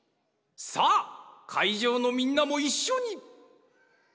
さあかいじょうのみんなもいっしょに！